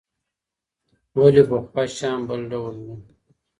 ولې پخوا شیان بل ډول وو؟